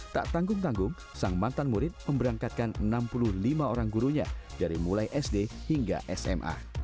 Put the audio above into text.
tak tanggung tanggung sang mantan murid memberangkatkan enam puluh lima orang gurunya dari mulai sd hingga sma